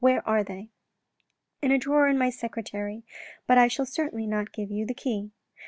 Where are they ?"" In a drawer in my secretary, but I shall certainly not give you the key."